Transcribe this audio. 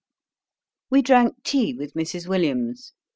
We drank tea with Mrs. Williams.